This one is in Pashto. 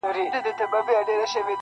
راتلو کي به معیوبه زموږ ټوله جامعه وي.